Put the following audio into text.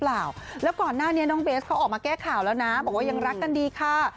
แล้วก่อนหน้านี้น้องเบสเขาออกมาแก้ข่าวแล้วนะบอกว่ายังรักกันดีค่ะ